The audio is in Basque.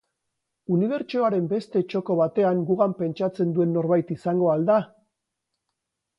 Unibertsoaren beste txoko batean gugan pentsatzen duen norbait izango al da?